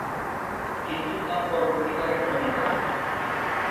কিন্তু তা পরবর্তীকালে গ্রহণ করে।